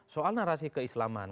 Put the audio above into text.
soal narasi keislaman